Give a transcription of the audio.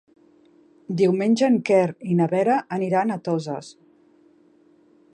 Diumenge en Quer i na Vera aniran a Toses.